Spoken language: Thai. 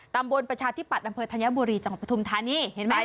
ตำบลประชาธิปัตย์ดำเภอธัญบุรีจังหวัดพระธุมธานีเห็นไหมคะ